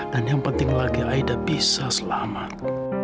dan yang penting lagi aida bisa selamat